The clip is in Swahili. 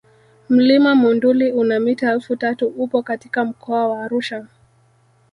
Mlima Monduli una mita elfu tatu upo katika mkoa wa Arusha